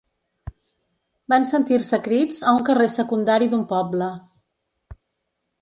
Van sentir-se crits a un carrer secundari d'un poble.